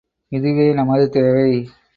இதுவே நமது தேவை!